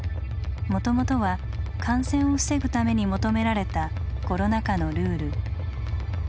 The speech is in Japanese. もともとは感染を防ぐために求められたコロナ禍のルール。